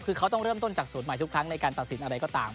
คือเขาต้องเริ่มต้นจากศูนย์ใหม่ทุกครั้งในการตัดสินอะไรก็ตาม